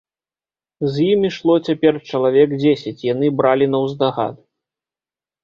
З ім ішло цяпер чалавек дзесяць, яны бралі наўздагад.